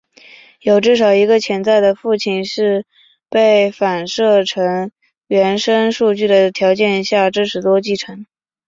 在至多一个潜在的父类是被反射成原生数据的条件下支持多继承。